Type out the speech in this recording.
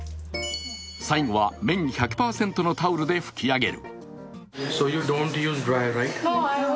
最後は綿１００％のタオルで拭き上げる。